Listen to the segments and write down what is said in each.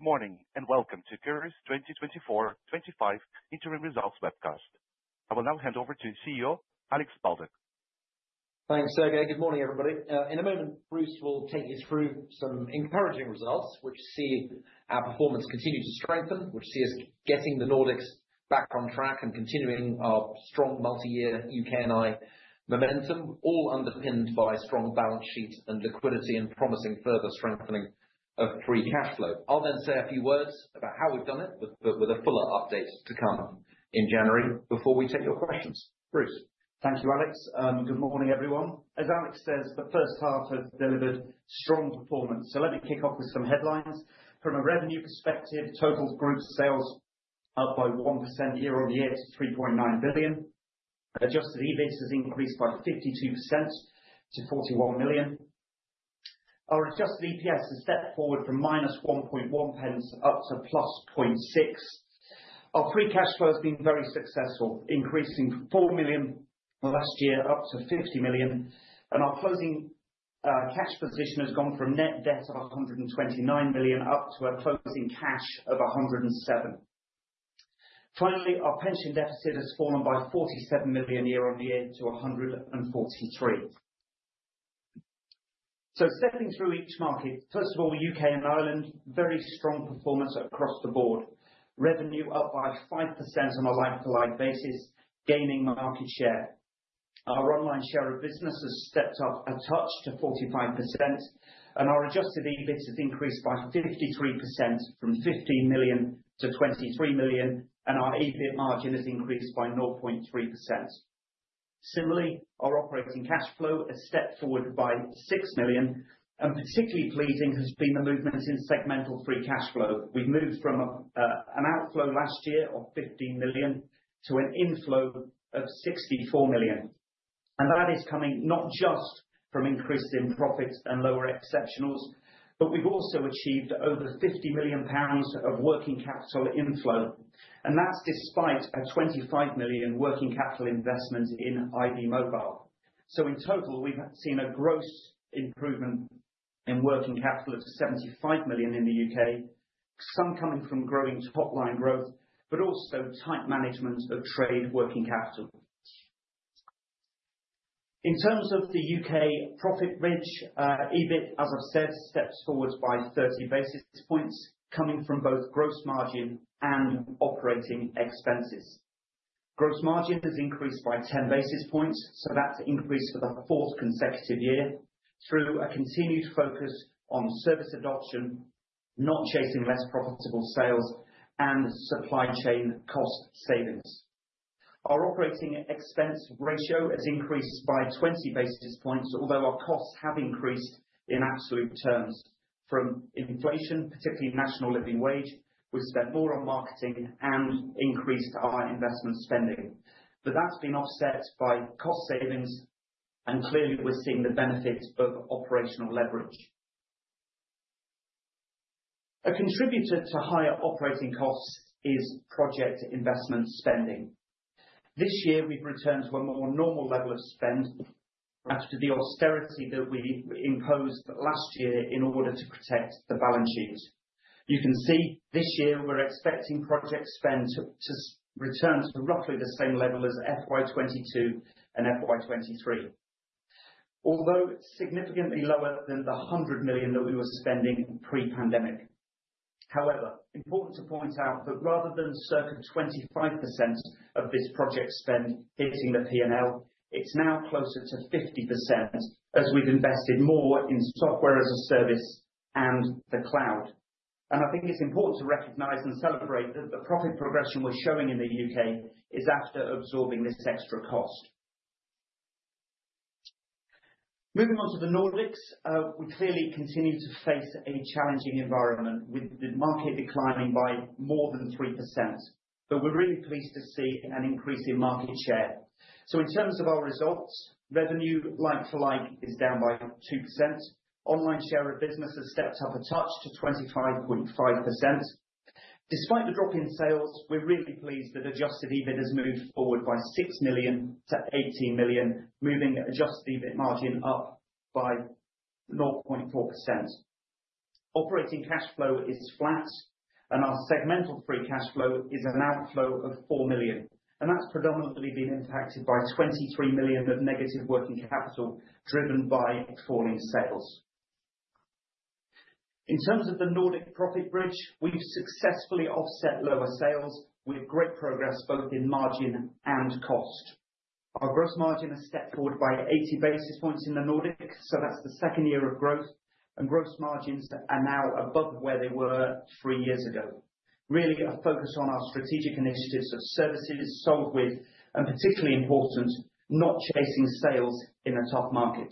Good morning and welcome to Currys 2024-2025 Interim Results Webcast. I will now hand over to CEO Alex Baldock. Thanks, Sergey. Good morning, everybody. In a moment, Bruce will take you through some encouraging results, which see our performance continue to strengthen, which see us getting the Nordics back on track and continuing our strong multi-year U.K. and Ireland momentum, all underpinned by strong balance sheets and liquidity and promising further strengthening of free cash flow. I'll then say a few words about how we've done it, but with a fuller update to come in January before we take your questions. Bruce. Thank you, Alex. Good morning, everyone. As Alex says, the first half has delivered strong performance. So let me kick off with some headlines. From a revenue perspective, total group sales are up by 1% year on year to 3.9 billion. Adjusted EBIT has increased by 52% to 41 million. Our adjusted EPS has stepped forward from -1.1 pence up to +0.6 pence. Our free cash flow has been very successful, increasing from 4 million last year up to 50 million. And our closing cash position has gone from net debt of 129 million up to a closing cash of 107 million. Finally, our pension deficit has fallen by 47 million year on year to 143 million. So stepping through each market, first of all, U.K. and Ireland, very strong performance across the board. Revenue up by 5% on a like-for-like basis, gaining market share. Our online share of business has stepped up a touch to 45%, and our adjusted EBIT has increased by 53% from 15 million to 23 million, and our EBIT margin has increased by 0.3%. Similarly, our operating cash flow has stepped forward by 6 million, and particularly pleasing has been the movement in segmental free cash flow. We've moved from an outflow last year of 15 million to an inflow of 64 million. And that is coming not just from increases in profits and lower exceptionals, but we've also achieved over 50 million pounds of working capital inflow, and that's despite a 25 million working capital investment in iD Mobile. So in total, we've seen a gross improvement in working capital of 75 million in the U.K., some coming from growing top-line growth, but also tight management of trade working capital. In terms of the U.K., profit bridge EBIT, as I've said, steps forward by 30 basis points, coming from both gross margin and operating expenses. Gross margin has increased by 10 basis points, so that's increased for the fourth consecutive year through a continued focus on service adoption, not chasing less profitable sales, and supply chain cost savings. Our operating expense ratio has increased by 20 basis points, although our costs have increased in absolute terms from inflation, particularly National Living Wage. We've spent more on marketing and increased our investment spending, but that's been offset by cost savings, and clearly we're seeing the benefit of operational leverage. A contributor to higher operating costs is project investment spending. This year, we've returned to a more normal level of spend after the austerity that we imposed last year in order to protect the balance sheet. You can see this year we're expecting project spend to return to roughly the same level as FY 2022 and FY 2023, although significantly lower than the 100 million that we were spending pre-pandemic. However, important to point out that rather than circa 25% of this project spend hitting the P&L, it's now closer to 50% as we've invested more in software as a service and the cloud, and I think it's important to recognize and celebrate that the profit progression we're showing in the U.K. is after absorbing this extra cost. Moving on to the Nordics, we clearly continue to face a challenging environment with the market declining by more than 3%, but we're really pleased to see an increase in market share, so in terms of our results, revenue like-for-like is down by 2%. Online share of business has stepped up a touch to 25.5%. Despite the drop in sales, we're really pleased that adjusted EBIT has moved forward by 6 million to 18 million, moving adjusted EBIT margin up by 0.4%. Operating cash flow is flat, and our segmental free cash flow is an outflow of 4 million, and that's predominantly been impacted by 23 million of negative working capital driven by falling sales. In terms of the Nordics profit bridge, we've successfully offset lower sales with great progress both in margin and cost. Our gross margin has stepped forward by 80 basis points in the Nordics, so that's the second year of growth, and gross margins are now above where they were three years ago. Really a focus on our strategic initiatives of services sold with, and particularly important, not chasing sales in a tough market.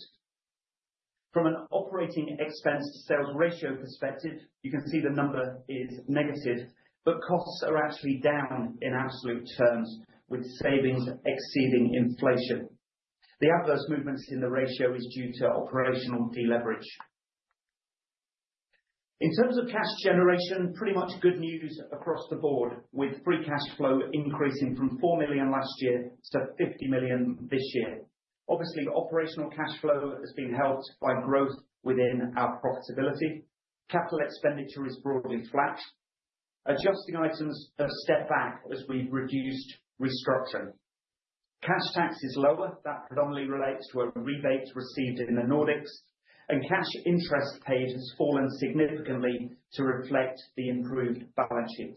From an operating expense to sales ratio perspective, you can see the number is negative, but costs are actually down in absolute terms, with savings exceeding inflation. The adverse movement in the ratio is due to operational deleverage. In terms of cash generation, pretty much good news across the board, with free cash flow increasing from 4 million last year to 50 million this year. Obviously, operational cash flow has been helped by growth within our profitability. Capital expenditure is broadly flat. Adjusting items have stepped back as we've reduced restructuring. Cash tax is lower. That predominantly relates to a rebate received in the Nordics, and cash interest paid has fallen significantly to reflect the improved balance sheet.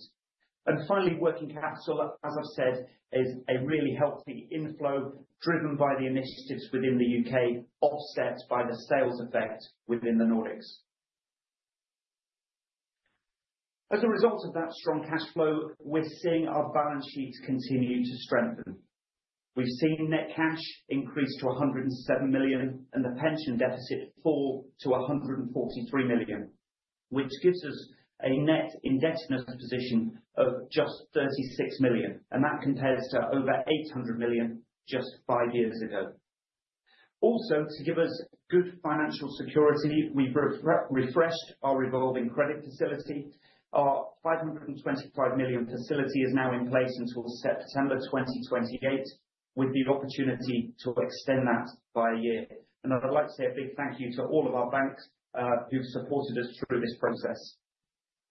And finally, working capital, as I've said, is a really healthy inflow driven by the initiatives within the U.K., offset by the sales effect within the Nordics. As a result of that strong cash flow, we're seeing our balance sheets continue to strengthen. We've seen net cash increase to 107 million and the pension deficit fall to 143 million, which gives us a net indebtedness position of just 36 million, and that compares to over 800 million just five years ago. Also, to give us good financial security, we've refreshed our revolving credit facility. Our 525 million facility is now in place until September 2028, with the opportunity to extend that by a year, and I'd like to say a big thank you to all of our banks who've supported us through this process.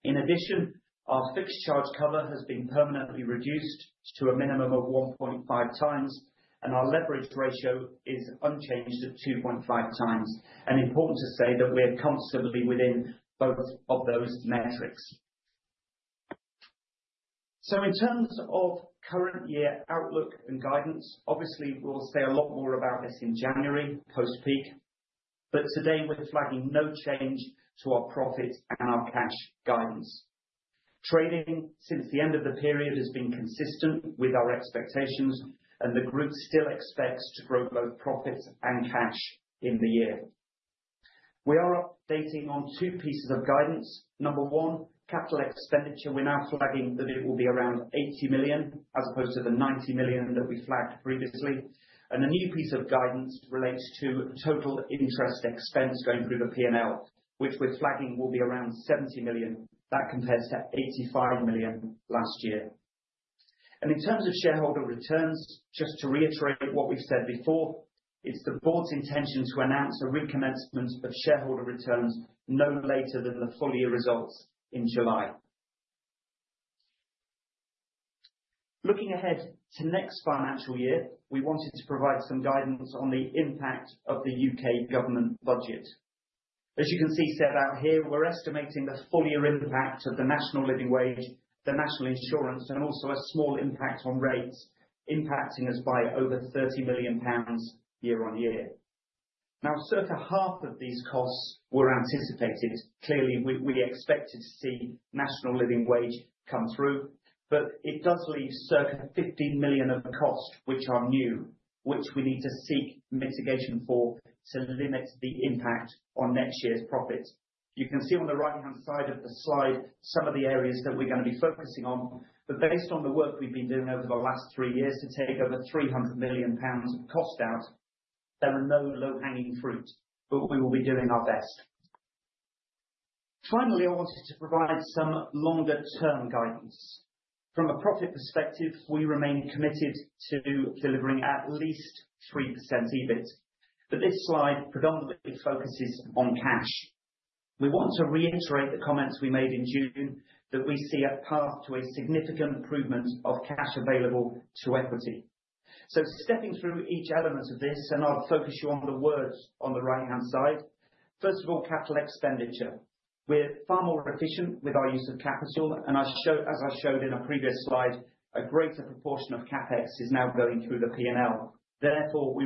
In addition, our fixed charge cover has been permanently reduced to a minimum of 1.5x, and our leverage ratio is unchanged at 2.5x, and important to say that we're comfortably within both of those metrics. In terms of current year outlook and guidance, obviously we'll say a lot more about this in January post-peak, but today we're flagging no change to our profit and our cash guidance. Trading since the end of the period has been consistent with our expectations, and the group still expects to grow both profits and cash in the year. We are updating on two pieces of guidance. Number one, capital expenditure. We're now flagging that it will be around 80 million as opposed to the 90 million that we flagged previously. A new piece of guidance relates to total interest expense going through the P&L, which we're flagging will be around 70 million. That compares to 85 million last year. In terms of shareholder returns, just to reiterate what we've said before, it's the Board's intention to announce a recommencement of shareholder returns no later than the full year results in July. Looking ahead to next financial year, we wanted to provide some guidance on the impact of the U.K. government budget. As you can see set out here, we're estimating the full year impact of the National Living Wage, the National Insurance, and also a small impact on rates impacting us by over 30 million pounds year on year. Now, circa half of these costs were anticipated. Clearly, we expected to see National Living Wage come through, but it does leave circa 15 million of costs which are new, which we need to seek mitigation for to limit the impact on next year's profits. You can see on the right-hand side of the slide some of the areas that we're going to be focusing on, but based on the work we've been doing over the last three years to take over 300 million pounds of cost out, there are no low-hanging fruit, but we will be doing our best. Finally, I wanted to provide some longer-term guidance. From a profit perspective, we remain committed to delivering at least 3% EBIT, but this slide predominantly focuses on cash. We want to reiterate the comments we made in June that we see a path to a significant improvement of cash available to equity. So stepping through each element of this, and I'll focus you on the words on the right-hand side. First of all, capital expenditure. We're far more efficient with our use of capital, and as I showed in a previous slide, a greater proportion of CapEx is now going through the P&L. Therefore, we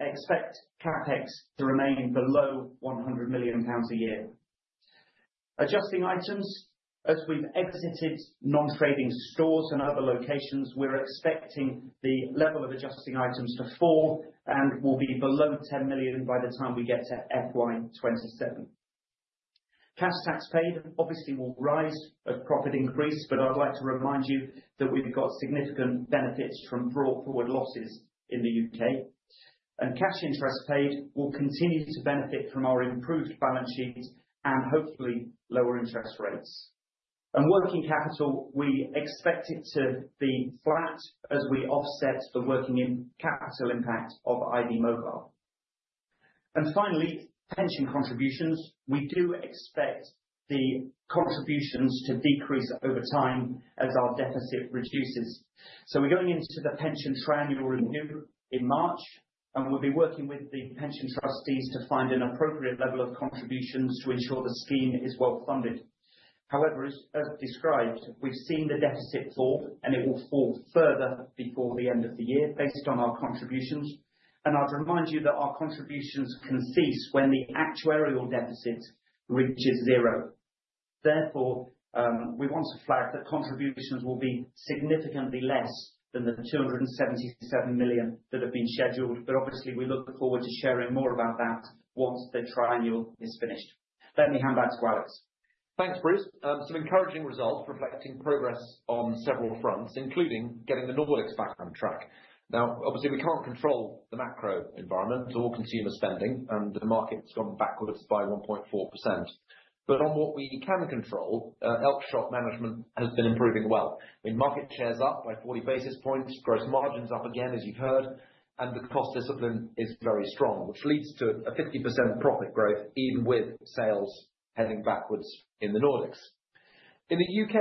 expect CapEx to remain below 100 million pounds a year. Adjusting items. As we've exited non-trading stores and other locations, we're expecting the level of adjusting items to fall and will be below 10 million by the time we get to FY 2027. Cash tax paid obviously will rise as profit increase, but I'd like to remind you that we've got significant benefits from brought forward losses in the U.K., and cash interest paid will continue to benefit from our improved balance sheet and hopefully lower interest rates, and working capital, we expect it to be flat as we offset the working capital impact of iD Mobile, and finally, pension contributions. We do expect the contributions to decrease over time as our deficit reduces. So we're going into the pension tri-annual review in March, and we'll be working with the pension trustees to find an appropriate level of contributions to ensure the scheme is well-funded. However, as described, we've seen the deficit fall, and it will fall further before the end of the year based on our contributions. And I'd remind you that our contributions can cease when the actuarial deficit reaches zero. Therefore, we want to flag that contributions will be significantly less than the 277 million that have been scheduled, but obviously we look forward to sharing more about that once the tri-annual is finished. Let me hand back to Alex. Thanks, Bruce. Some encouraging results reflecting progress on several fronts, including getting the Nordics back on track. Now, obviously we can't control the macro environment or consumer spending, and the market's gone backwards by 1.4%. But on what we can control, Elkjøp management has been improving well. I mean, market share up by 40 basis points, gross margins up again, as you've heard, and the cost discipline is very strong, which leads to a 50% profit growth even with sales heading backwards in the Nordics. In the U.K.,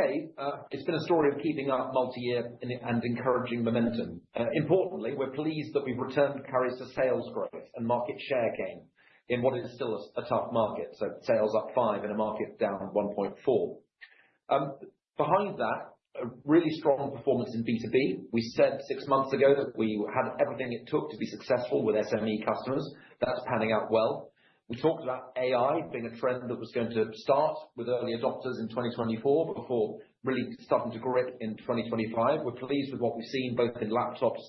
it's been a story of keeping up multi-year and encouraging momentum. Importantly, we're pleased that we've returned Currys to sales growth and market share gain in what is still a tough market. So sales up 5% in a market down 1.4%. Behind that, a really strong performance in B2B. We said six months ago that we had everything it took to be successful with SME customers. That's panning out well. We talked about AI being a trend that was going to start with early adopters in 2024 before really starting to grip in 2025. We're pleased with what we've seen both in laptops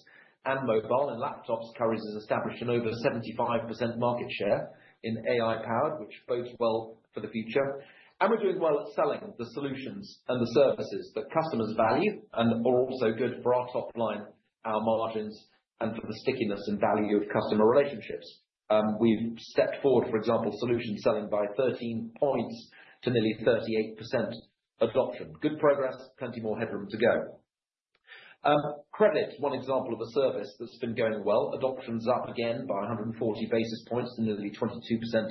and mobile, and laptops, Currys has established an over 75% market share in AI-powered, which bodes well for the future, and we're doing well at selling the solutions and the services that customers value and are also good for our top line, our margins, and for the stickiness and value of customer relationships. We've stepped up, for example, solution selling by 13 points to nearly 38% adoption. Good progress, plenty more headroom to go. Credit, one example of a service that's been going well. Adoption's up again by 140 basis points to nearly 22%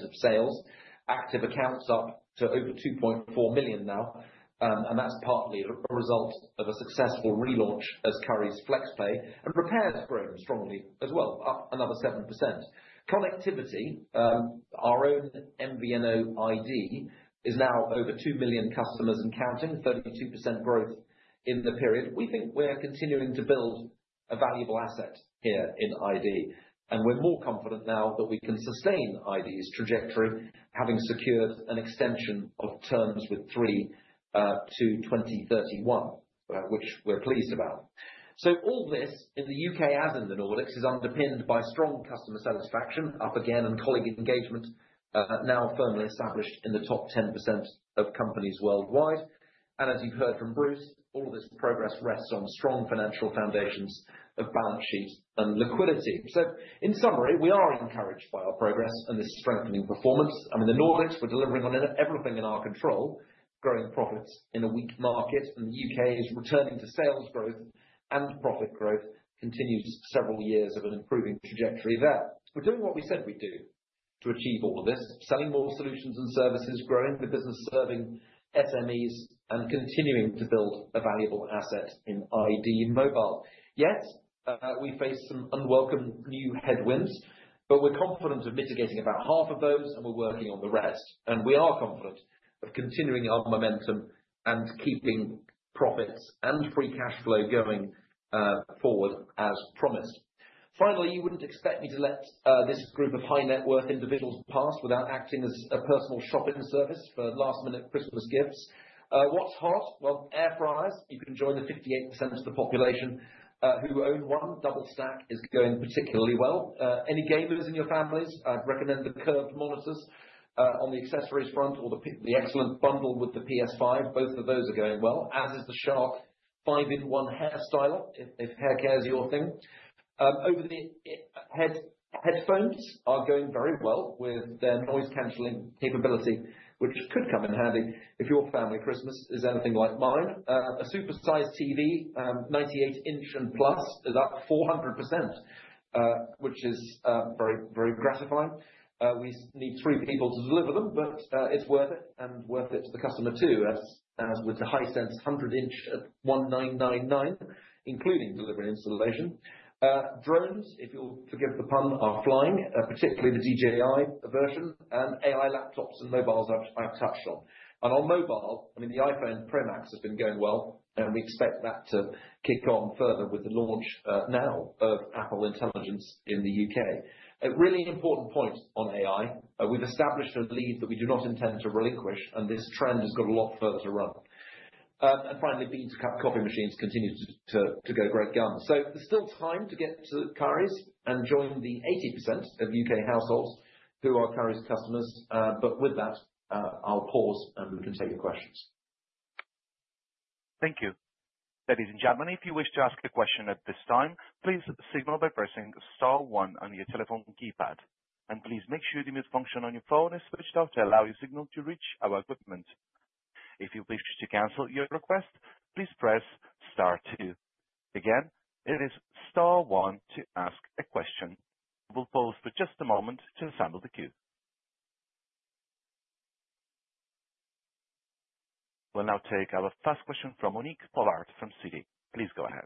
of sales. Active accounts up to over 2.4 million now, and that's partly a result of a successful relaunch of Currys FlexPay and repairs growing strongly as well, up another 7%. Connectivity, our own MVNO iD is now over 2 million customers and counting, 32% growth in the period. We think we're continuing to build a valuable asset here in iD, and we're more confident now that we can sustain iD's trajectory, having secured an extension of terms with Three to 2031, which we're pleased about. So all this in the U.K. and in the Nordics is underpinned by strong customer satisfaction, up again, and colleague engagement, now firmly established in the top 10% of companies worldwide. And as you've heard from Bruce, all of this progress rests on strong financial foundations of balance sheet and liquidity. So in summary, we are encouraged by our progress and this strengthening performance. I mean, the Nordics, we're delivering on everything in our control, growing profits in a weak market, and the U.K. is returning to sales growth and profit growth, continues several years of an improving trajectory there. We're doing what we said we'd do to achieve all of this, selling more solutions and services, growing the business serving SMEs, and continuing to build a valuable asset in iD Mobile. Yes, we face some unwelcome new headwinds, but we're confident of mitigating about half of those, and we're working on the rest, and we are confident of continuing our momentum and keeping profits and free cash flow going forward as promised. Finally, you wouldn't expect me to let this group of high-net-worth individuals pass without acting as a personal shopping service for last minute Christmas gifts. What's hot? Well, air fryers. You can join the 58% of the population who own one. Double Stack is going particularly well. Any gamers in your families, I'd recommend the curved monitors on the accessories front or the excellent bundle with the PS5. Both of those are going well, as is the Shark five-in-one hair styler if hair care is your thing. Over-the-head headphones are going very well with their noise cancelling capability, which could come in handy if your family Christmas is anything like mine. A super size TV, 98-inch and plus, is up 400%, which is very, very gratifying. We need three people to deliver them, but it's worth it and worth it to the customer too, as with the Hisense 100-inch at 1,999, including delivery installation. Drones, if you'll forgive the pun, are flying, particularly the DJI version, and AI laptops and mobiles I've touched on. On mobile, I mean, the iPhone Pro Max has been going well, and we expect that to kick on further with the launch now of Apple Intelligence in the U.K. A really important point on AI. We've established a lead that we do not intend to relinquish, and this trend has got a lot further to run. And finally, beans and coffee machines continue to go great guns. So there's still time to get to Currys and join the 80% of U.K. households who are Currys customers. But with that, I'll pause and we can take your questions. Thank you. Ladies and gentlemen, if you wish to ask a question at this time, please signal by pressing star one on your telephone keypad. And please make sure the mute function on your phone is switched off to allow your signal to reach our equipment. If you wish to cancel your request, please press star two. Again, it is star one to ask a question. We'll pause for just a moment to assemble the queue. We'll now take our first question from Monique Pollard from Citi. Please go ahead.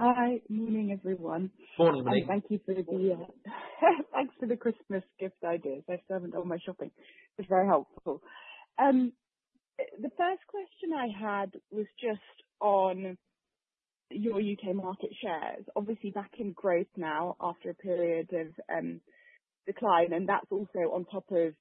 Hi, morning everyone. Morning, Monique. Thanks for the Christmas gift ideas. I still haven't done my shopping. It's very helpful. The first question I had was just on your U.K. market shares. Obviously, back in growth now after a period of decline, and that's also on top of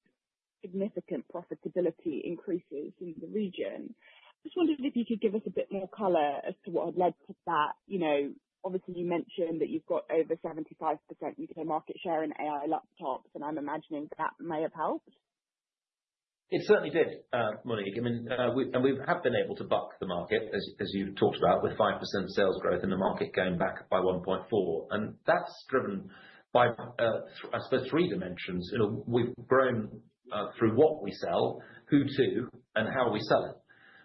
significant profitability increases in the region. I just wondered if you could give us a bit more color as to what led to that. Obviously, you mentioned that you've got over 75% U.K. market share in AI laptops, and I'm imagining that may have helped. It certainly did, Monique. And we have been able to buck the market, as you've talked about, with 5% sales growth and the market going back by 1.4%. And that's driven by, I suppose, three dimensions. We've grown through what we sell, who to, and how we sell it.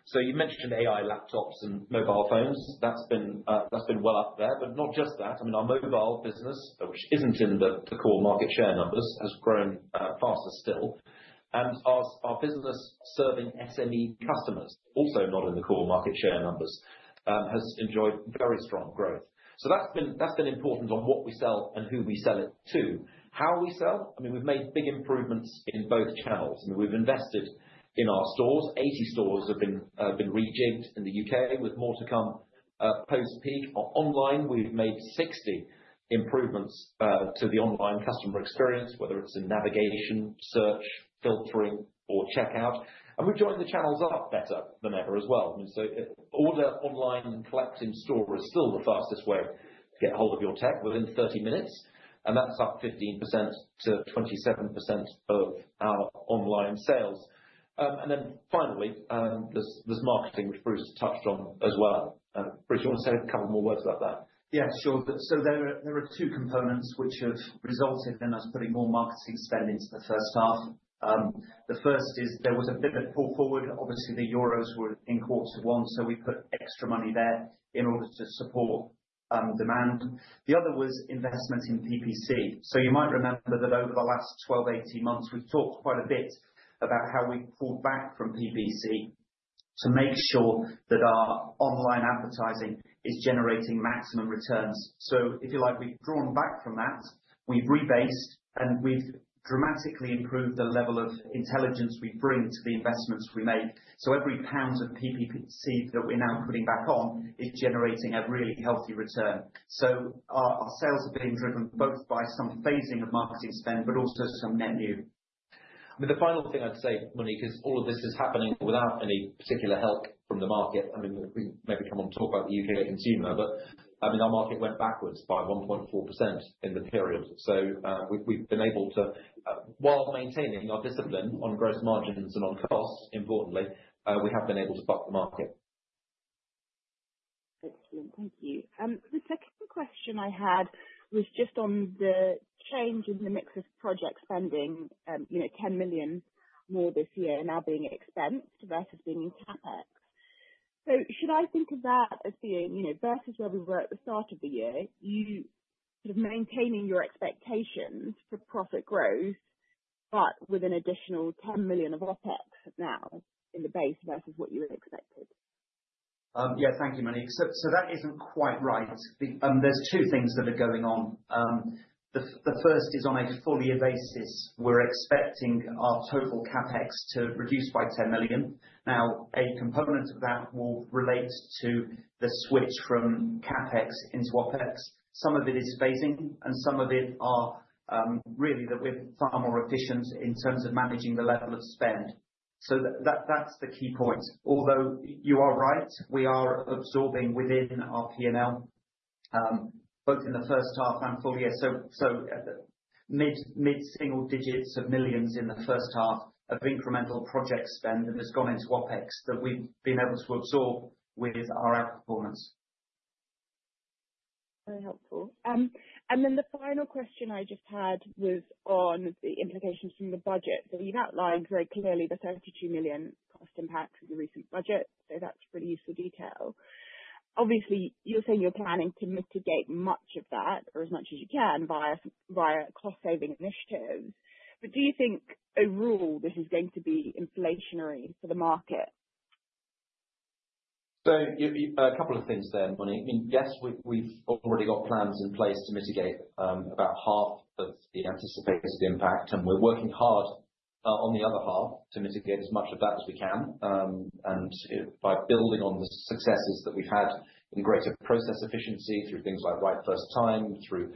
So you mentioned AI laptops and mobile phones. That's been well up there. But not just that. I mean, our mobile business, which isn't in the core market share numbers, has grown faster still. And our business serving SME customers, also not in the core market share numbers, has enjoyed very strong growth. So that's been important on what we sell and who we sell it to. How we sell? I mean, we've made big improvements in both channels. I mean, we've invested in our stores. 80 stores have been rejigged in the U.K. with more to come post-peak. Online, we've made 60 improvements to the online customer experience, whether it's in navigation, search, filtering, or checkout. And we've joined the channels up better than ever as well. I mean, so order online and collect in store is still the fastest way to get hold of your tech within 30 minutes. And that's up 15% to 27% of our online sales. And then finally, there's marketing, which Bruce touched on as well. Bruce, do you want to say a couple more words about that? Yeah, sure. So there are two components which have resulted in us putting more marketing spend into the first half. The first is there was a bit of pull forward. Obviously, the euros were in quarter one, so we put extra money there in order to support demand. The other was investment in PPC. You might remember that over the last 12, 18 months, we've talked quite a bit about how we pulled back from PPC to make sure that our online advertising is generating maximum returns. So if you like, we've drawn back from that. We've rebased, and we've dramatically improved the level of intelligence we bring to the investments we make. So every pound of PPC that we're now putting back on is generating a really healthy return. So our sales have been driven both by some phasing of marketing spend, but also some net new. I mean, the final thing I'd say, Monique, is all of this is happening without any particular help from the market. I mean, we maybe come on to talk about the U.K. consumer, but I mean, our market went backwards by 1.4% in the period. So we've been able to, while maintaining our discipline on gross margins and on costs, importantly, we have been able to buck the market. Excellent. Thank you. The second question I had was just on the change in the mix of project spending, 10 million more this year now being expensed versus being in CapEx. So should I think of that as being versus where we were at the start of the year, you sort of maintaining your expectations for profit growth, but with an additional 10 million of OpEx now in the base versus what you expected? Yeah, thank you, Monique. So that isn't quite right. There's two things that are going on. The first is on a four-year basis. We're expecting our total CapEx to reduce by 10 million. Now, a component of that will relate to the switch from CapEx into OpEx. Some of it is phasing, and some of it are really that we're far more efficient in terms of managing the level of spend. So that's the key point. Although you are right, we are absorbing within our P&L, both in the first half and full year. So mid-single digits of millions in the first half of incremental project spend that has gone into OpEx that we've been able to absorb with our outperformance. Very helpful. And then the final question I just had was on the implications from the budget. So you've outlined very clearly the 32 million cost impact of the recent budget. So that's really useful detail. Obviously, you're saying you're planning to mitigate much of that or as much as you can via cost-saving initiatives. But do you think overall this is going to be inflationary for the market? So a couple of things there, Monique. I mean, yes, we've already got plans in place to mitigate about half of the anticipated impact, and we're working hard on the other half to mitigate as much of that as we can, and by building on the successes that we've had in greater process efficiency through things like Right First Time, through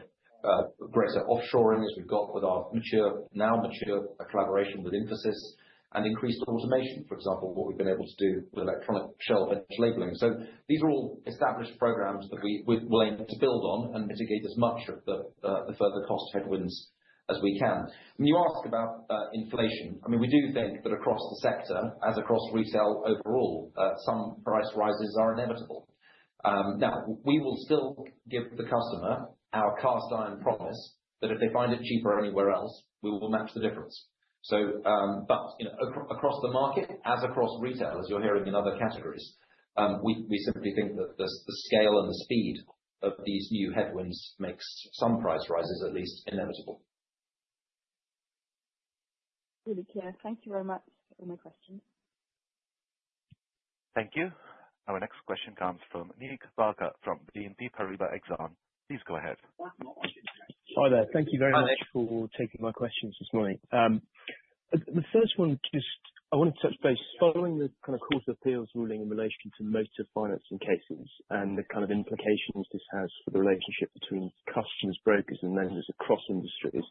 greater offshoring as we've got with our now mature collaboration with Infosys, and increased automation, for example, what we've been able to do with electronic shelf edge labeling, so these are all established programs that we will aim to build on and mitigate as much of the further cost headwinds as we can. When you ask about inflation, I mean, we do think that across the sector, as across retail overall, some price rises are inevitable. Now, we will still give the customer our cast-iron promise that if they find it cheaper anywhere else, we will match the difference. But across the market, as across retail, as you're hearing in other categories, we simply think that the scale and the speed of these new headwinds makes some price rises at least inevitable. Really clear. Thank you very much for my question. Thank you. Our next question comes from Nick Barker from BNP Paribas Exane. Please go ahead. Hi there. Thank you very much for taking my questions this morning. The first one just I want to touch base following the kind of Court of Appeals ruling in relation to motor financing cases and the kind of implications this has for the relationship between customers, brokers, and lenders across industries.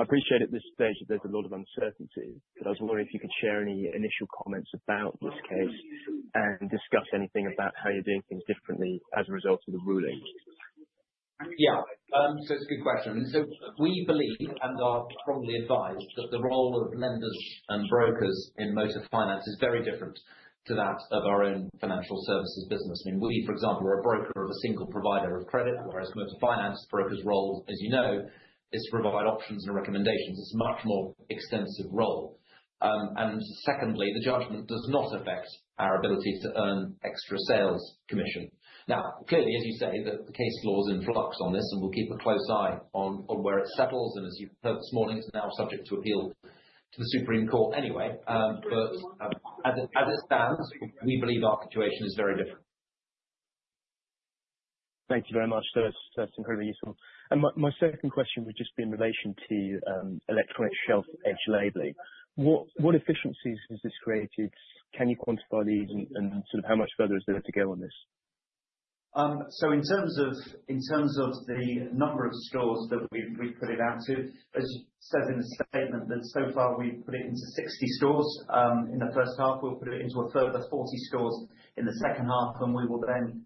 I appreciate at this stage that there's a lot of uncertainty, but I was wondering if you could share any initial comments about this case and discuss anything about how you're doing things differently as a result of the ruling. Yeah. So it's a good question. So we believe and are strongly advised that the role of lenders and brokers in motor finance is very different to that of our own financial services business. I mean, we, for example, are a broker of a single provider of credit, whereas motor finance broker's role, as you know, is to provide options and recommendations. It's a much more extensive role. And secondly, the judgment does not affect our ability to earn extra sales commission. Now, clearly, as you say, the case law is in flux on this, and we'll keep a close eye on where it settles. As you've heard this morning, it's now subject to appeal to the Supreme Court anyway. As it stands, we believe our situation is very different. Thank you very much. That's incredibly useful. My second question would just be in relation to electronic shelf edge labeling. What efficiencies has this created? Can you quantify these and sort of how much further is there to go on this? In terms of the number of stores that we've put it out to, as said in the statement, that so far we've put it into 60 stores. In the first half, we'll put it into a further 40 stores in the second half, and we will then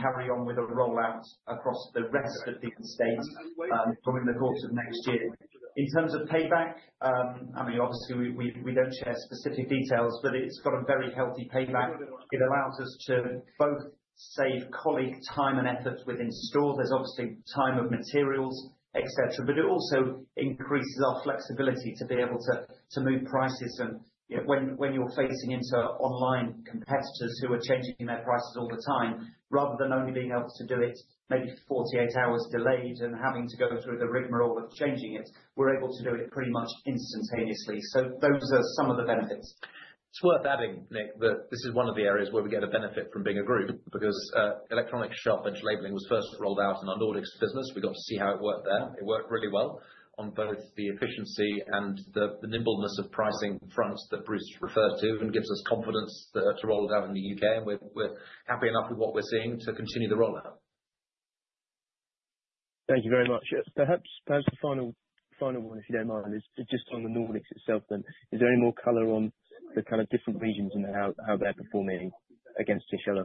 carry on with a rollout across the rest of the estate during the course of next year. In terms of payback, I mean, obviously, we don't share specific details, but it's got a very healthy payback. It allows us to both save colleague time and effort within stores. There's obviously time of materials, etc., but it also increases our flexibility to be able to move prices. And when you're facing into online competitors who are changing their prices all the time, rather than only being able to do it maybe 48 hours delayed and having to go through the rigmarole of changing it, we're able to do it pretty much instantaneously. So those are some of the benefits. It's worth adding, Nick, that this is one of the areas where we get a benefit from being a group because electronic shelf edge labeling was first rolled out in our Nordics business. We got to see how it worked there. It worked really well on both the efficiency and the nimbleness of pricing fronts that Bruce referred to and gives us confidence to roll it out in the U.K. And we're happy enough with what we're seeing to continue the rollout. Thank you very much. Perhaps the final one, if you don't mind, is just on the Nordics itself then. Is there any more color on the kind of different regions and how they're performing against each other?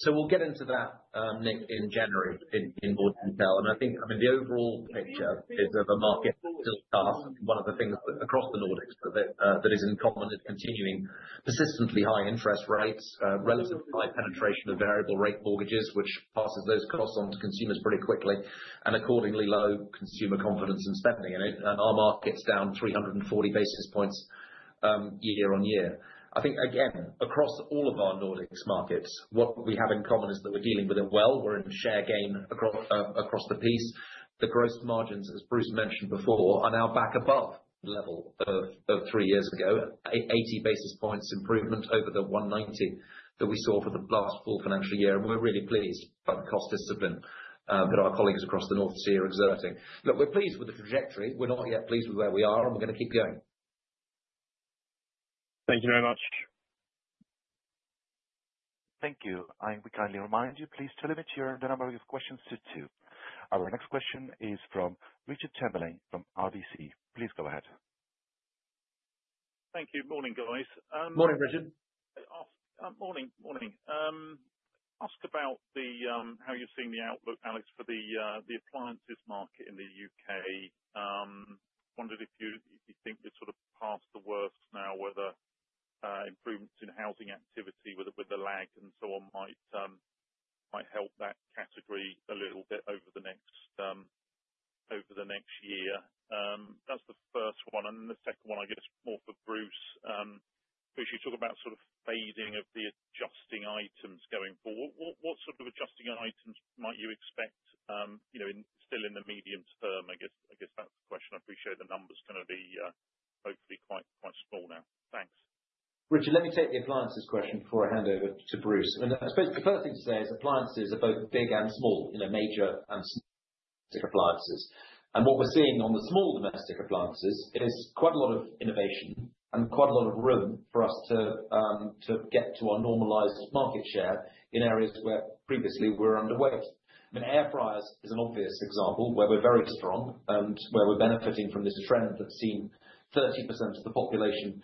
So we'll get into that, Nick, in January in more detail. And I think, I mean, the overall picture is of a market still past one of the things across the Nordics that is in common is continuing persistently high interest rates, relatively high penetration of variable rate mortgages, which passes those costs on to consumers pretty quickly, and accordingly low consumer confidence and spending. Our market's down 340 basis points year on year. I think, again, across all of our Nordics markets, what we have in common is that we're dealing with it well. We're in share gain across the piece. The gross margins, as Bruce mentioned before, are now back above the level of three years ago, 80 basis points improvement over the 190 that we saw for the last full financial year. And we're really pleased by the cost discipline that our colleagues across the North Sea are exerting. Look, we're pleased with the trajectory. We're not yet pleased with where we are, and we're going to keep going. Thank you very much. Thank you. And we kindly remind you to limit your number of questions to two. Our next question is from Richard Chamberlain from RBC. Please go ahead. Thank you. Morning, guys. Morning, Richard. Morning. Morning. Ask about how you're seeing the outlook, Alex, for the appliances market in the U.K. Wondered if you think we're sort of past the worst now, whether improvements in housing activity with the lag and so on might help that category a little bit over the next year. That's the first one. Then the second one, I guess, more for Bruce. Bruce, you talk about sort of phasing of the adjusting items going forward. What sort of adjusting items might you expect still in the medium term? I guess that's the question. I appreciate the numbers can be hopefully quite small now. Thanks. Richard, let me take the appliances question before I hand over to Bruce, and I suppose the first thing to say is appliances are both big and small, major and small domestic appliances. What we're seeing on the small domestic appliances is quite a lot of innovation and quite a lot of room for us to get to our normalized market share in areas where previously we're underweight. I mean, air fryers is an obvious example where we're very strong and where we're benefiting from this trend that's seen 30% of the population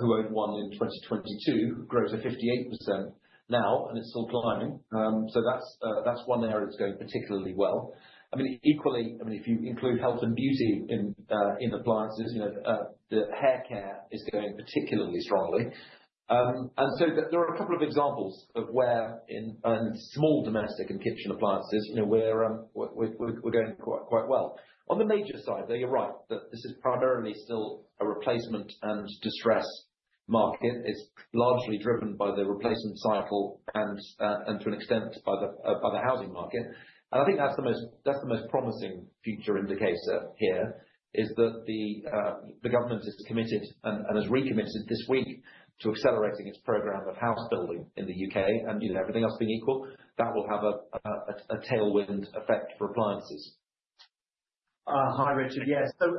who owned one in 2022 grow to 58% now, and it's still climbing. So that's one area that's going particularly well. I mean, equally, I mean, if you include health and beauty in appliances, the hair care is going particularly strongly. And so there are a couple of examples of where in small domestic and kitchen appliances we're going quite well. On the major side there, you're right that this is primarily still a replacement and distress market. It's largely driven by the replacement cycle and to an extent by the housing market. I think that's the most promising future indicator here, is that the government is committed and has recommitted this week to accelerating its program of house building in the U.K. Everything else being equal, that will have a tailwind effect for appliances. Hi, Richard. Yeah. So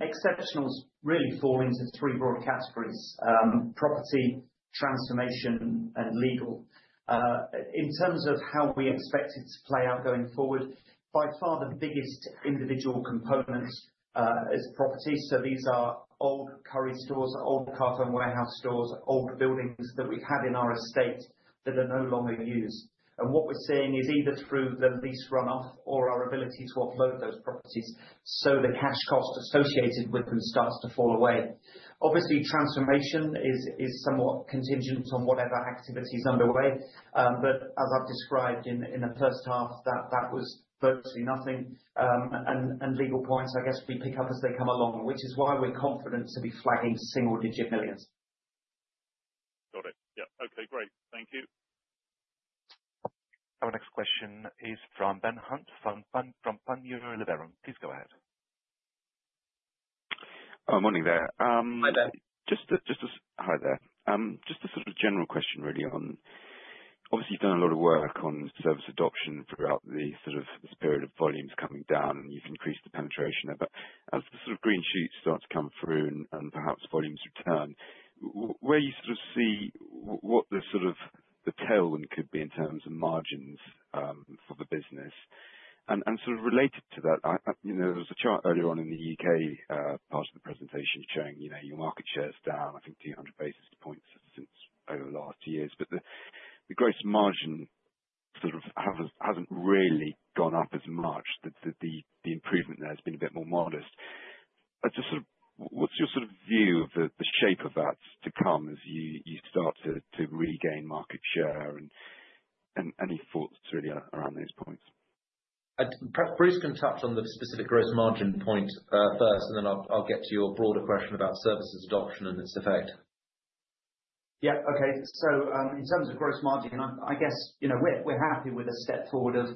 exceptionals really fall into three broad categories: property, transformation, and legal. In terms of how we expect it to play out going forward, by far the biggest individual component is property. So these are old Currys stores, old Carphone Warehouse stores, old buildings that we've had in our estate that are no longer used. What we're seeing is either through the lease runoff or our ability to offload those properties so the cash cost associated with them starts to fall away. Obviously, transformation is somewhat contingent on whatever activity is underway. But as I've described in the first half, that was virtually nothing. And legal points, I guess, we pick up as they come along, which is why we're confident to be flagging single-digit millions. Got it. Yeah. Okay. Great. Thank you. Our next question is from Ben Hunt from Panmure Liberum. Please go ahead. Morning there. Hi there. Hi there. Just a sort of general question, really, on obviously, you've done a lot of work on service adoption throughout this period of volumes coming down, and you've increased the penetration of it. As the sort of green shoots start to come through and perhaps volumes return, where you sort of see what the sort of tailwind could be in terms of margins for the business. And sort of related to that, there was a chart earlier on in the U.K. part of the presentation showing your market shares down, I think, 200 basis points since over the last years. But the gross margin sort of hasn't really gone up as much. The improvement there has been a bit more modest. What's your sort of view of the shape of that to come as you start to regain market share and any thoughts really around those points? Bruce can touch on the specific gross margin point first, and then I'll get to your broader question about services adoption and its effect. Yeah. Okay. So in terms of gross margin, I guess we're happy with a step forward of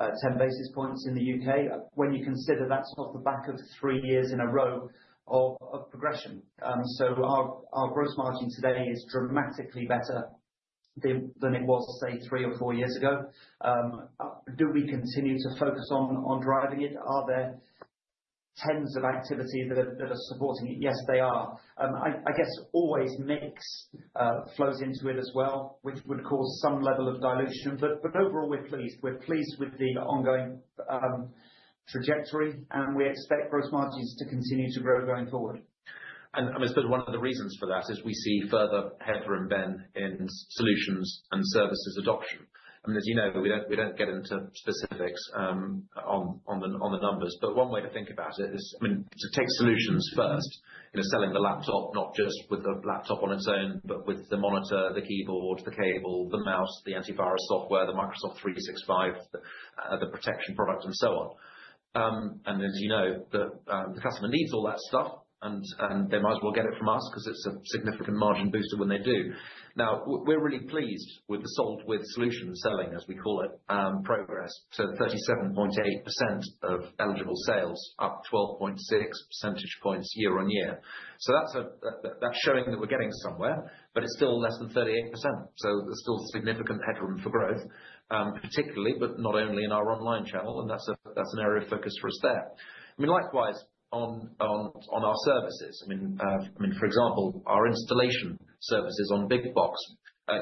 10 basis points in the U.K. when you consider that's off the back of three years in a row of progression. So our gross margin today is dramatically better than it was, say, three or four years ago. Do we continue to focus on driving it? Are there tens of activities that are supporting it? Yes, they are. I guess always mix flows into it as well, which would cause some level of dilution. But overall, we're pleased. We're pleased with the ongoing trajectory, and we expect gross margins to continue to grow going forward. And I suppose one of the reasons for that is we see further headroom, Ben, in solutions and services adoption. I mean, as you know, we don't get into specifics on the numbers. But one way to think about it is, I mean, to take solutions first, selling the laptop, not just with the laptop on its own, but with the monitor, the keyboard, the cable, the mouse, the antivirus software, the Microsoft 365, the protection product, and so on. And as you know, the customer needs all that stuff, and they might as well get it from us because it's a significant margin booster when they do. Now, we're really pleased with the sold with solution selling, as we call it, progress to 37.8% of eligible sales, up 12.6 percentage points year on year. So that's showing that we're getting somewhere, but it's still less than 38%. So there's still significant headroom for growth, particularly, but not only in our online channel. And that's an area of focus for us there. I mean, likewise on our services. I mean, for example, our installation services on big box.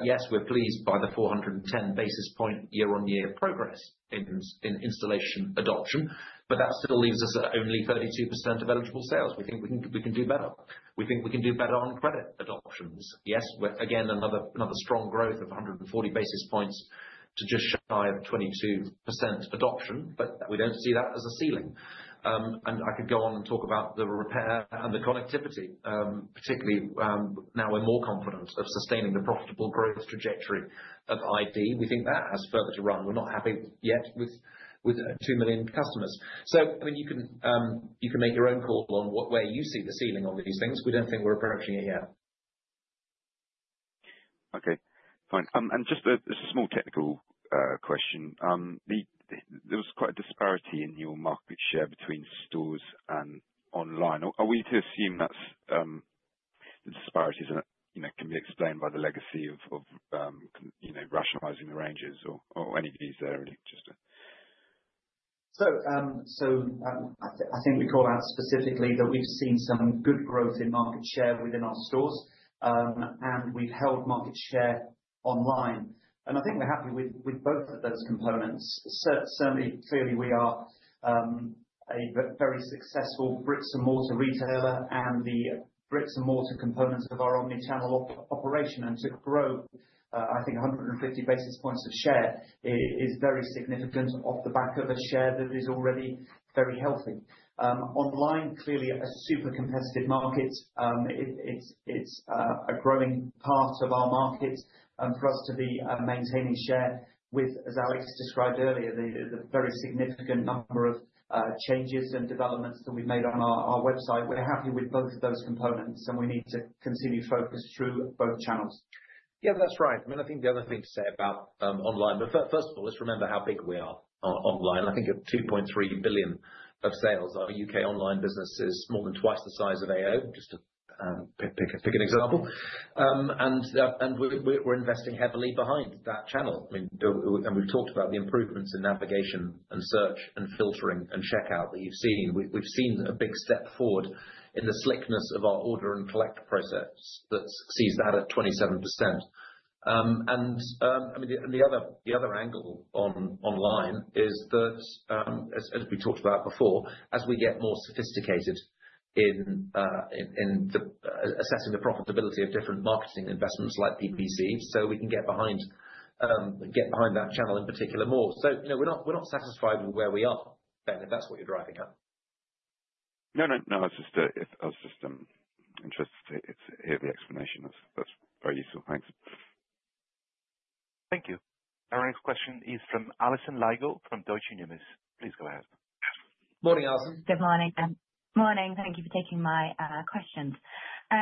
Yes, we're pleased by the 410 basis points year-on-year progress in installation adoption, but that still leaves us at only 32% of eligible sales. We think we can do better. We think we can do better on credit adoptions. Yes, again, another strong growth of 140 basis points to just shy of 22% adoption, but we don't see that as a ceiling. And I could go on and talk about the repair and the connectivity, particularly now we're more confident of sustaining the profitable growth trajectory of ID. We think that has further to run. We're not happy yet with 2 million customers. So I mean, you can make your own call on where you see the ceiling on these things. We don't think we're approaching it yet. Okay. Fine. And just a small technical question. There was quite a disparity in your market share between stores and online. Are we to assume that the disparities can be explained by the legacy of rationalizing the ranges or any of these? So I think we call out specifically that we've seen some good growth in market share within our stores, and we've held market share online. And I think we're happy with both of those components. Certainly, clearly, we are a very successful bricks-and-mortar retailer and the bricks-and-mortar components of our omnichannel operation. And to grow, I think, 150 basis points of share is very significant off the back of a share that is already very healthy. Online, clearly, a super competitive market. It's a growing part of our market for us to be maintaining share with, as Alex described earlier, the very significant number of changes and developments that we've made on our website. We're happy with both of those components, and we need to continue focused through both channels. Yeah, that's right. I mean, I think the other thing to say about online, but first of all, let's remember how big we are online. I think at 2.3 billion of sales, our U.K. online business is more than twice the size of AO, just to pick an example, and we're investing heavily behind that channel. I mean, and we've talked about the improvements in navigation and search and filtering and checkout that you've seen. We've seen a big step forward in the slickness of our order and collect process that succeeds that at 27%, and I mean, the other angle online is that, as we talked about before, as we get more sophisticated in assessing the profitability of different marketing investments like PPC, so we can get behind that channel in particular more. So we're not satisfied with where we are, Ben, if that's what you're driving at. No, no, no. It's just a system interest. It's heavy explanation. That's very useful. Thanks. Thank you. Our next question is from Alison Lygo from Deutsche Numis. Please go ahead. Morning, Alison. Good morning. Morning. Thank you for taking my questions. So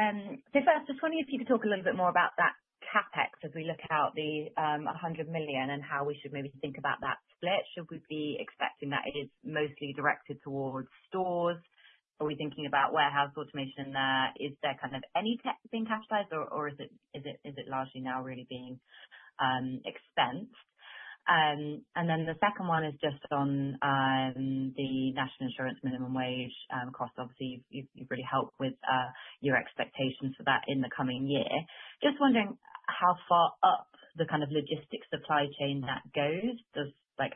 first, I just wanted you to talk a little bit more about that CapEx as we look out the 100 million and how we should maybe think about that split. Should we be expecting that it's mostly directed towards stores? Are we thinking about warehouse automation there? Is there kind of any tech being capitalized, or is it largely now really being expensed? And then the second one is just on the National Insurance minimum wage cost. Obviously, you've really helped with your expectations for that in the coming year. Just wondering how far up the kind of logistics supply chain that goes.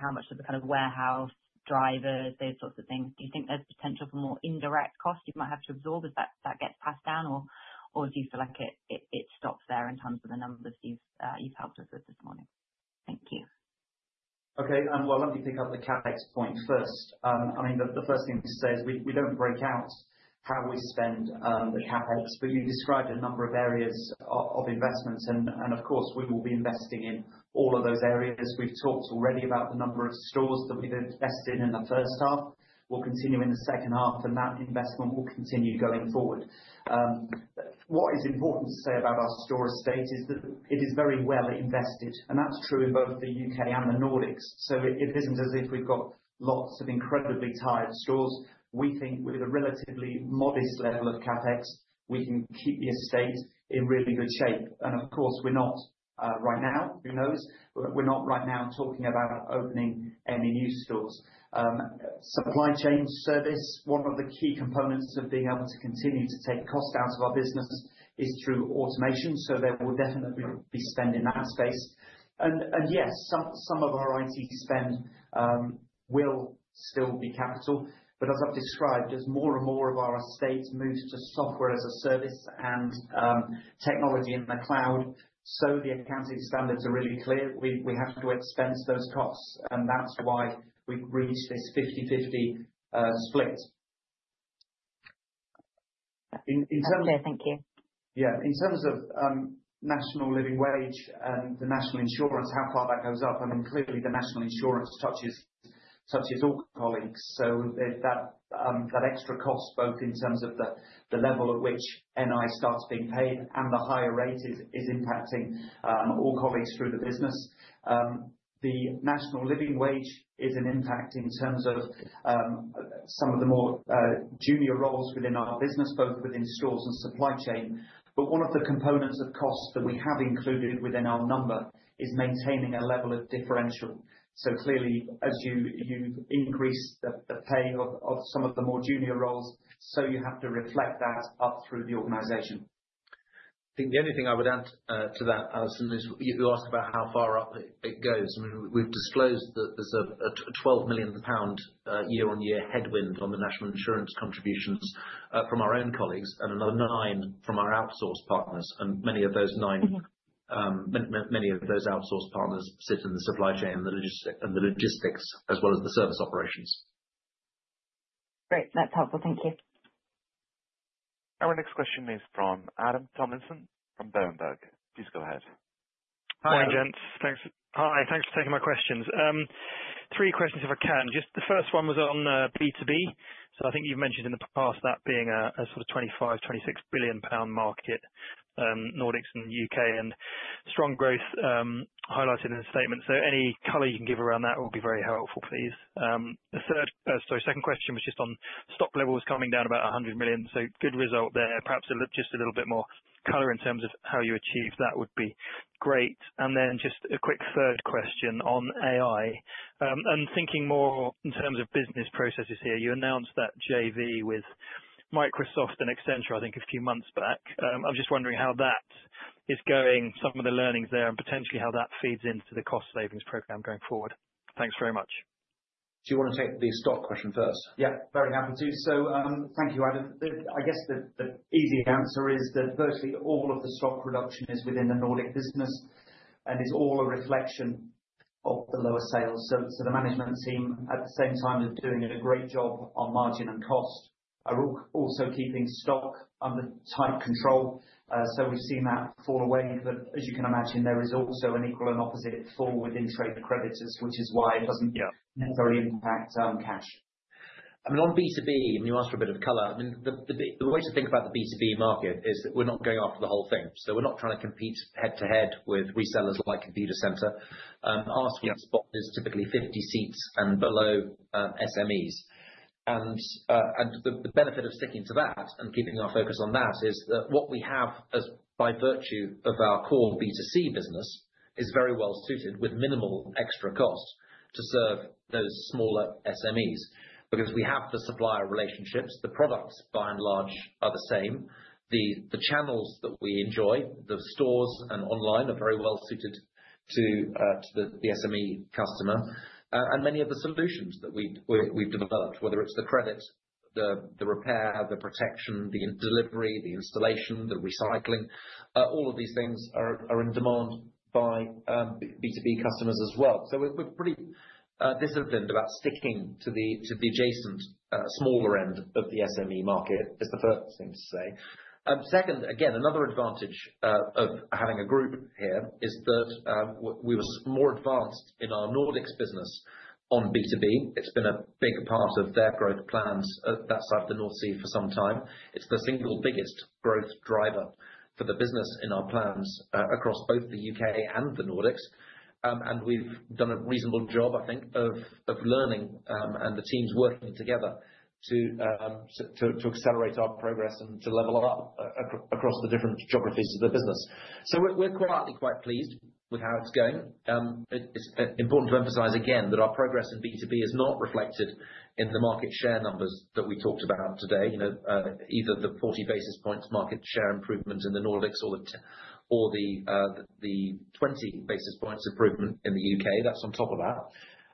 How much of the kind of warehouse drivers, those sorts of things? Do you think there's potential for more indirect costs you might have to absorb as that gets passed down, or do you feel like it stops there in terms of the numbers you've helped us with this morning? Thank you. Okay. Well, let me pick up the CapEx point first. I mean, the first thing to say is we don't break out how we spend the CapEx, but you described a number of areas of investments. And of course, we will be investing in all of those areas. We've talked already about the number of stores that we've invested in the first half. We'll continue in the second half, and that investment will continue going forward. What is important to say about our store estate is that it is very well invested, and that's true in both the U.K. and the Nordics. So it isn't as if we've got lots of incredibly tired stores. We think with a relatively modest level of CapEx, we can keep the estate in really good shape. And of course, we're not right now, who knows, but we're not right now talking about opening any new stores. Supply chain service, one of the key components of being able to continue to take cost out of our business is through automation. So there will definitely be spend in that space. And yes, some of our IT spend will still be capital. But as I've described, as more and more of our estate moves to software as a service and technology in the cloud, so the accounting standards are really clear. We have to expense those costs, and that's why we've reached this 50/50 split. Okay. Thank you. Yeah. In terms of National Living Wage and the National Insurance, how far that goes up, I mean, clearly, the National Insurance touches all colleagues. So that extra cost, both in terms of the level at which NI starts being paid and the higher rates, is impacting all colleagues through the business. The National Living Wage is an impact in terms of some of the more junior roles within our business, both within stores and supply chain. But one of the components of costs that we have included within our number is maintaining a level of differential. So clearly, as you've increased the pay of some of the more junior roles, so you have to reflect that up through the organization. I think the only thing I would add to that, Alison, is you asked about how far up it goes. I mean, we've disclosed that there's a 12 million pound year-on-year headwind on the National Insurance contributions from our own colleagues and another nine from our outsourced partners. And many of those nine, many of those outsourced partners sit in the supply chain and the logistics as well as the service operations. Great. That's helpful. Thank you. Our next question is from Adam Tomlinson from Berenberg. Please go ahead. Hi, gents. Thanks. Hi. Thanks for taking my questions. Three questions if I can. Just the first one was on B2B. So I think you've mentioned in the past that being a sort of 25 billion-26 billion pound market, Nordics and U.K., and strong growth highlighted in the statement. So any color you can give around that will be very helpful, please. The third, sorry, second question was just on stock levels coming down about 100 million. So good result there. Perhaps just a little bit more color in terms of how you achieve that would be great. And then just a quick third question on AI. And thinking more in terms of business processes here, you announced that JV with Microsoft and Accenture, I think, a few months back. I'm just wondering how that is going, some of the learnings there, and potentially how that feeds into the cost savings program going forward. Thanks very much. Do you want to take the stock question first? Yeah. Very happy to. So thank you, Adam. I guess the easy answer is that virtually all of the stock reduction is within the Nordic business, and it's all a reflection of the lower sales. So the management team, at the same time as doing a great job on margin and cost, are also keeping stock under tight control. So we've seen that fall away. But as you can imagine, there is also an equal and opposite fall within trade creditors, which is why it doesn't necessarily impact cash. I mean, on B2B, and you asked for a bit of color, I mean, the way to think about the B2B market is that we're not going after the whole thing. So we're not trying to compete head-to-head with resellers like Computacenter. Our spot is typically 50 seats and below SMEs. And the benefit of sticking to that and keeping our focus on that is that what we have by virtue of our core B2C business is very well-suited with minimal extra cost to serve those smaller SMEs because we have the supplier relationships. The products, by and large, are the same. The channels that we enjoy, the stores and online, are very well-suited to the SME customer, and many of the solutions that we've developed, whether it's the credit, the repair, the protection, the delivery, the installation, the recycling, all of these things are in demand by B2B customers as well, so we're pretty disciplined about sticking to the adjacent smaller end of the SME market. Is the first thing to say. Second, again, another advantage of having a group here is that we were more advanced in our Nordics business on B2B. It's been a big part of their growth plans at that side of the North Sea for some time. It's the single biggest growth driver for the business in our plans across both the U.K. and the Nordics. And we've done a reasonable job, I think, of learning and the teams working together to accelerate our progress and to level up across the different geographies of the business. So we're quietly quite pleased with how it's going. It's important to emphasize again that our progress in B2B is not reflected in the market share numbers that we talked about today, either the 40 basis points market share improvement in the Nordics or the 20 basis points improvement in the U.K. That's on top of that.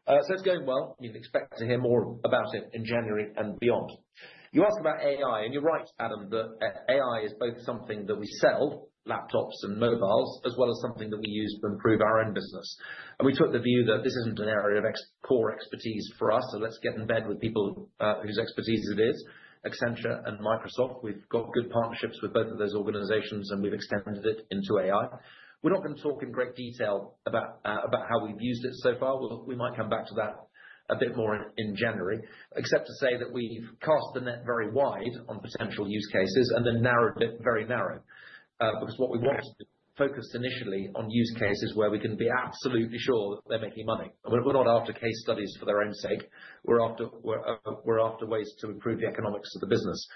So it's going well. You can expect to hear more about it in January and beyond. You asked about AI, and you're right, Adam, that AI is both something that we sell, laptops and mobiles, as well as something that we use to improve our own business. And we took the view that this isn't an area of core expertise for us, so let's get in bed with people whose expertise it is. Accenture and Microsoft, we've got good partnerships with both of those organizations, and we've extended it into AI. We're not going to talk in great detail about how we've used it so far. We might come back to that a bit more in January, except to say that we've cast the net very wide on potential use cases and then narrowed it very narrow because what we want to do is focus initially on use cases where we can be absolutely sure that they're making money. We're not after case studies for their own sake. We're after ways to improve the economics of the business.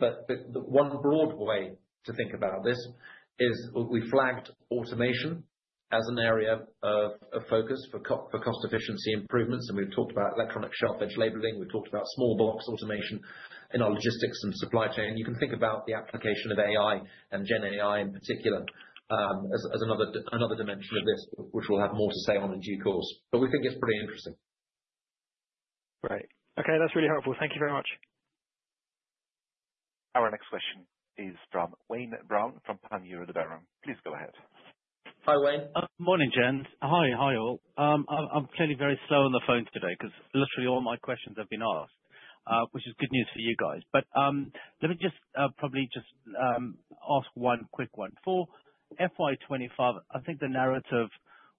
But one broad way to think about this is we flagged automation as an area of focus for cost efficiency improvements. And we've talked about electronic shelf edge labeling. We've talked about small box automation in our logistics and supply chain. You can think about the application of AI and GenAI in particular as another dimension of this, which we'll have more to say on in due course. But we think it's pretty interesting. Right. Okay. That's really helpful. Thank you very much. Our next question is from Wayne Brown from Panmure Liberum. Please go ahead. Hi, Wayne. Morning, gents. Hi, hi all. I'm clearly very slow on the phone today because literally all my questions have been asked, which is good news for you guys. But let me just probably just ask one quick one. For FY 2025, I think the narrative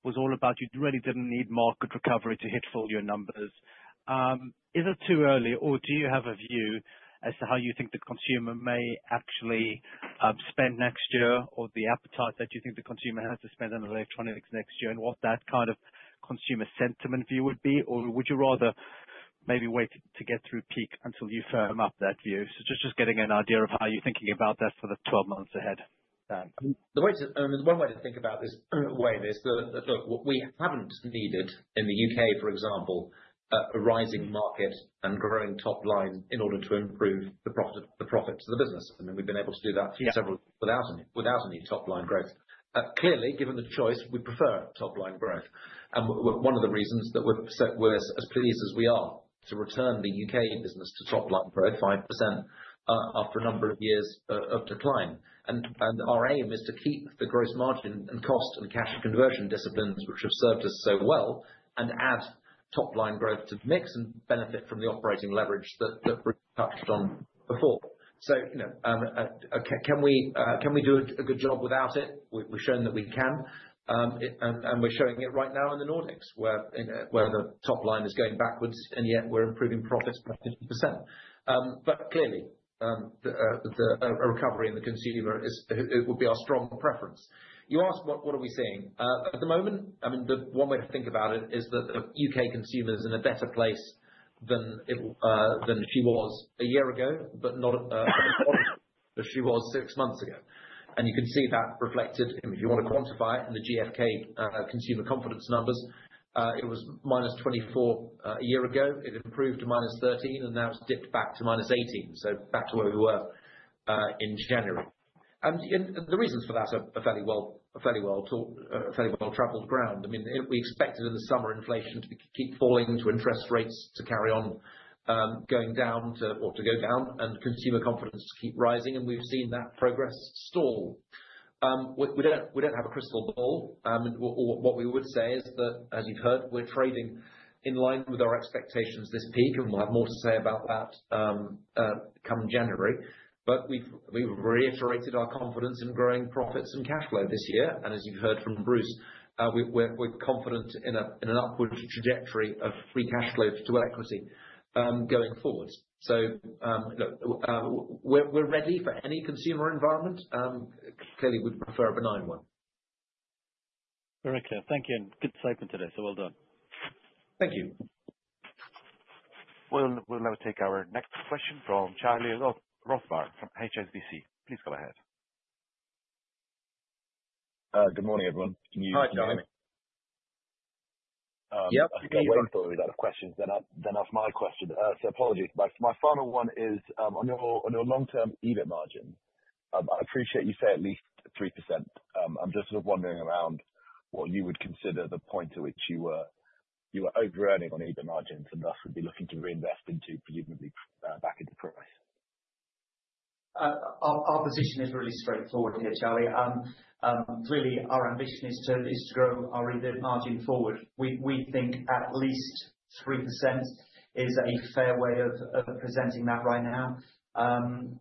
was all about you really didn't need market recovery to hit full year numbers. Is it too early, or do you have a view as to how you think the consumer may actually spend next year, or the appetite that you think the consumer has to spend on electronics next year, and what that kind of consumer sentiment view would be? Or would you rather maybe wait to get through peak until you firm up that view? So just getting an idea of how you're thinking about that for the 12 months ahead. The way to think about this, Wayne, is that look, what we haven't needed in the U.K. for example, a rising market and growing top line in order to improve the profits of the business. I mean, we've been able to do that several years without any top line growth. Clearly, given the choice, we prefer top line growth and one of the reasons that we're as pleased as we are to return the U.K. business to top line growth, 5%, after a number of years of decline and our aim is to keep the gross margin and cost and cash conversion disciplines, which have served us so well, and add top line growth to the mix and benefit from the operating leverage that we touched on before. So can we do a good job without it? We've shown that we can and we're showing it right now in the Nordics, where the top line is going backwards, and yet we're improving profits by 50% but clearly, a recovery in the consumer would be our strong preference. You asked, what are we seeing? At the moment, I mean, one way to think about it is that the U.K. consumer is in a better place than she was a year ago, but not as horrible as she was six months ago, and you can see that reflected. If you want to quantify it in the GfK consumer confidence numbers, it was -24 a year ago. It improved to -13, and now it's dipped back to -18, so back to where we were in January, and the reasons for that are fairly well-traveled ground. I mean, we expected in the summer inflation to keep falling, to interest rates to carry on going down or to go down, and consumer confidence to keep rising, and we've seen that progress stall. We don't have a crystal ball. What we would say is that, as you've heard, we're trading in line with our expectations this peak, and we'll have more to say about that come January. But we've reiterated our confidence in growing profits and cash flow this year. And as you've heard from Bruce, we're confident in an upward trajectory of free cash flow to equity going forward. So we're ready for any consumer environment. Clearly, we'd prefer a benign one. Very clear. Thank you. And good segment today. So well done. Thank you. We'll now take our next question from Charlie Rothbarth from HSBC. Please go ahead. Good morning, everyone. Can you hear me? Hi, Charlie. Yep. You can wait until we've got questions. Then ask my question. So apologies. My final one is on your long-term EBIT margin. I appreciate you say at least 3%. I'm just sort of wondering around what you would consider the point at which you were over-earning on EBIT margins and thus would be looking to reinvest into presumably back into price? Our position is really straightforward here, Charlie. Clearly, our ambition is to grow our EBIT margin forward. We think at least 3% is a fair way of presenting that right now.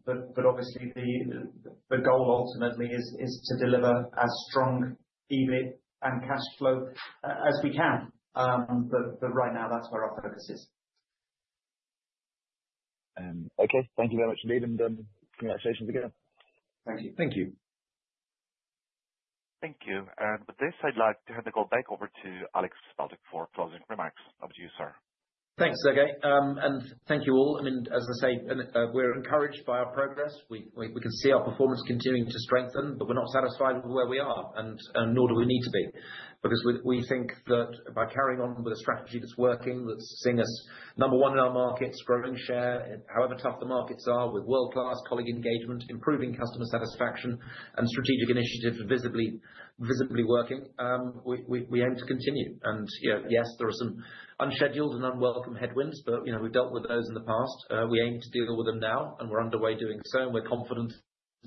But obviously, the goal ultimately is to deliver as strong EBIT and cash flow as we can. But right now, that's where our focus is. Okay. Thank you very much. And congratulations again. Thank you. And with this, I'd like to hand the call back over to Alex Baldock for closing remarks. Over to you, sir. Thanks, Sergey. And thank you all. I mean, as I say, we're encouraged by our progress. We can see our performance continuing to strengthen, but we're not satisfied with where we are, and nor do we need to be. Because we think that by carrying on with a strategy that's working, that's seeing us number one in our markets, growing share, however tough the markets are, with world-class colleague engagement, improving customer satisfaction, and strategic initiatives visibly working, we aim to continue, and yes, there are some unscheduled and unwelcome headwinds, but we've dealt with those in the past. We aim to deal with them now, and we're underway doing so, and we're confident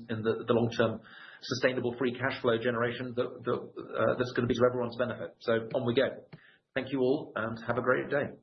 in the long-term sustainable free cash flow generation that's going to be to everyone's benefit, so on we go. Thank you all, and have a great day.